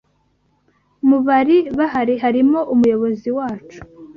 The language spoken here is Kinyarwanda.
Mubari bahari harimo umuyobozi wacu.